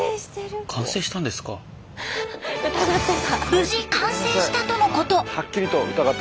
無事完成したとのこと！